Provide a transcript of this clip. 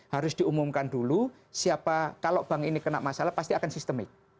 harus diumumkan dulu siapa kalau bank ini kena masalah pasti akan sistemik